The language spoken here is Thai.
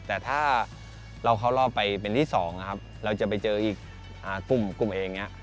แต่ถ้าเราเข้ารอบไปเป็นที่๒นะครับเราจะไปเจออีกกลุ่มเองเนี่ย